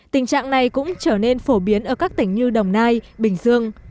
tình trạng này cũng trở nên phổ biến ở các tỉnh như đồng nai bình dương